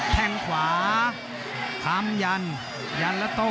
แทงขวาข้ามยันยันและโต้